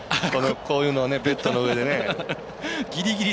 こういうのをベッドの上でね。